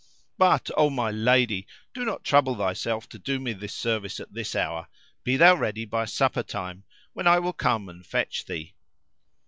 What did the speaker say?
But, O my lady, do not trouble thyself to do me this service at this hour; be thou ready by supper time,[FN#332] when I will come and fetch thee."